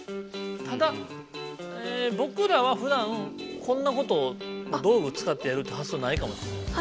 ただぼくらはふだんこんなことを道具使ってやるってはっそうないかもしれないですね。